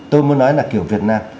tôi muốn nói là kiểu việt nam